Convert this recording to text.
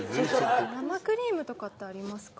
生クリームとかってありますか？